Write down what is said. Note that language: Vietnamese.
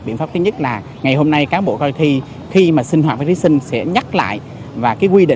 biện pháp thứ nhất là ngày hôm nay cán bộ coi thi khi mà sinh hoạt với thí sinh sẽ nhắc lại